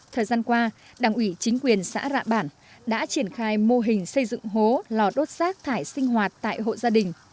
thời gian qua đảng ủy chính quyền xã rạ bản đã triển khai mô hình xây dựng hố lò đốt rác thải sinh hoạt tại hộ gia đình